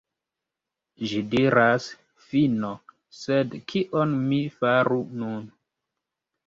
Ĝi diras "fino", sed kion mi faru nun?